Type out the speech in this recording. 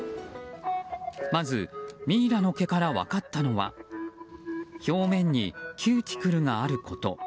まずミイラの毛から分かったのは表面にキューティクルがあること。